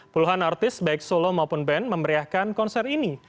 puluhan artis baik solo maupun band memberiakan konser ini